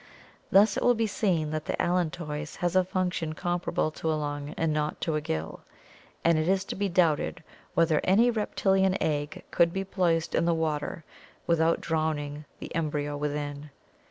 Thus it will be seen that the allantois has a function comparable to a lung and not to a gill, and it is to be doubted whether any reptilian egg could be placed in the water without drowning the embryo within.